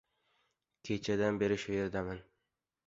Kechadan beri shu yerdaman.